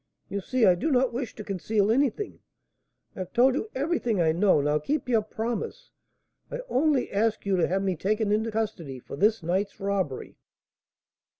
You see I do not wish to conceal anything, I have told you everything I know. Now keep your promise. I only ask you to have me taken into custody for this night's robbery."